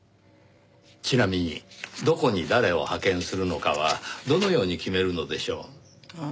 ちなみにどこに誰を派遣するのかはどのように決めるのでしょう？